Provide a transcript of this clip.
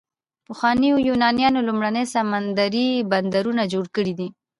پخوانیو یونانیانو لومړني سمندري بندرونه جوړ کړي دي.